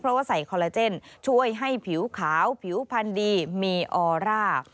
เพราะว่าใส่คอลลาเจนช่วยให้ผิวขาวผิวพันธุ์ดีมีออร่า